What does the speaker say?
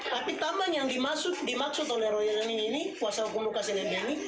tapi taman yang dimaksud oleh roy lening ini kuasa hukum lukas nmb ini